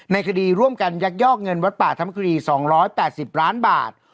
ในคดีร่วมกันยักยอกเงินวัดป่าธรรมครี๒๘๐ล้านบาท